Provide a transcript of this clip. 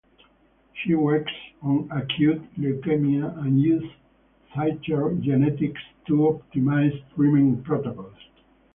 She works on acute leukemia and used cytogenetics to optimise treatment protocols.